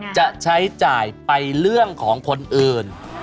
จะใช้จ่ายไปเรื่องของคนอื่น